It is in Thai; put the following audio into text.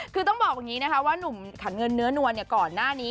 คือต้องบอกว่าหนุ่มขันเงินเนื้อนวนก่อนหน้านี้